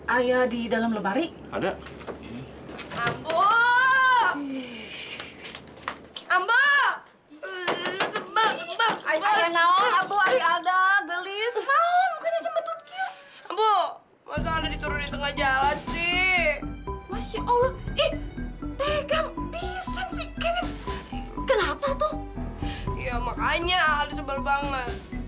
iya makanya alda sebel banget